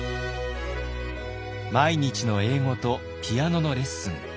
毎日の英語とピアノのレッスン。